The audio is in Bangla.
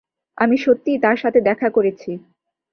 আমি সত্যিই তার সাথে দেখা করেছি।